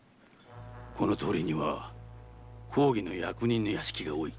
この通りには公儀の役人の屋敷が多い。